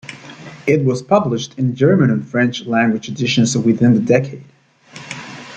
It was published in German and French-language editions within the decade.